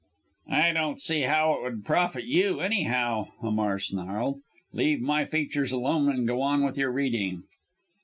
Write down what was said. "I don't see how it would profit you anyhow," Hamar snarled. "Leave my features alone and go on with your reading."